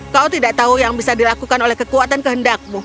kau tidak tahu yang bisa dilakukan oleh kekuatan kehendakmu